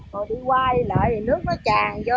rồi đi qua đi lại thì nước nó tràn vô